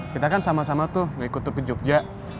kita kan sama sama tuh mau ikut tur ke jogja